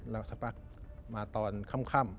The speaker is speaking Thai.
เราสักพักมาตอนค่ำ